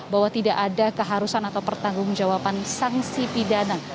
bahwa tidak ada keharusan atau pertanggungjawaban sanksi pidana